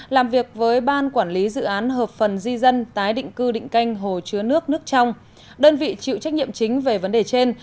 làm việc với ban quản lý dự án hợp phần di dân tái định cư định canh hồ chứa nước nước trong đơn vị chịu trách nhiệm chính về vấn đề trên